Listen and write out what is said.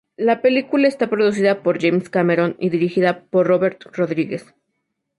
La película está producida por James Cameron y dirigida por Robert Rodriguez.